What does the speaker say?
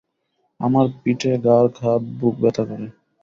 আমার পিঠে, ঘাড়, কাঁধ, বুক ব্যথা করে।